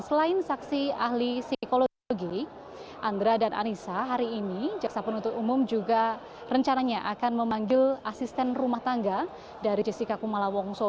selain saksi ahli psikologi andra dan anissa hari ini jaksa penuntut umum juga rencananya akan memanggil asisten rumah tangga dari jessica kumala wongso